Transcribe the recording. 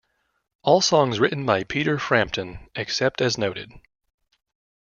All songs written by Peter Frampton except as noted.